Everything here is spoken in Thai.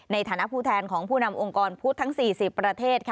ในฐานะผู้แทนของผู้นำองค์กรพุทธทั้ง๔๐ประเทศ